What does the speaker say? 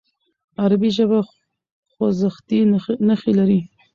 عربي ژبه خوځښتي نښې لري.